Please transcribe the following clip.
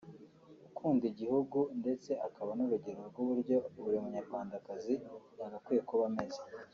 ukunda igihugu ndetse akaba n’urugero rw’uburyo buri munyarwandakazi yagakwiye kuba ameze